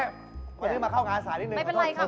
กำลังมาเข้างานงานกี่นึง